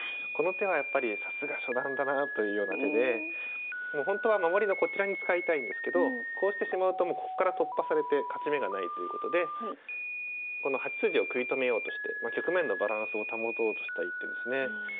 この手はやっぱりさすが初段だなというような手でほんとは守りのこちらに使いたいんですけどこうしてしまうともうこっから突破されて勝ち目がないということでこの８筋を食い止めようとして局面のバランスを保とうとした一手ですね。